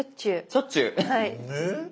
しょっちゅうアハ。